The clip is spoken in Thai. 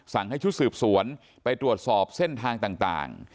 ให้ชุดสืบสวนไปตรวจสอบเส้นทางต่าง